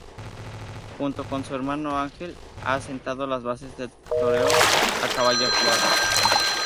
Junto con su hermano Ángel ha sentado las bases del toreo a caballo actual.